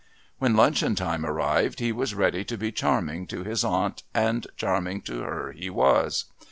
When luncheon time arrived he was ready to be charming to his aunt, and charming to her he was.